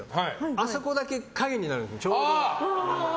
あそこだけ陰になるんですちょうど。